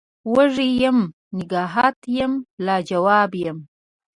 وږم یم نګهت یم لا جواب یمه